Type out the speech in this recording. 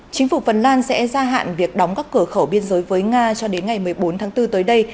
chính phủ vân lan sẽ gia hạn việc đóng các cửa khẩu biên giới với nga cho đến ngày một mươi bốn tháng bốn tới đây